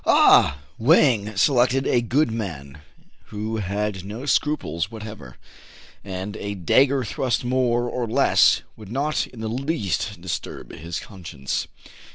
Ah ! Wang selected a good man, who had no scruples whatever ; and a dagger thrust more or less would not in the least disturb his conscience.